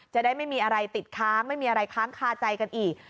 จะได้ไม่มีอะไรติดค้างไม่มีอะไรค้างคาใจกันอีก